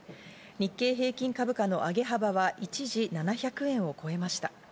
日経平均株価の上げ幅は一時７００円を超えました。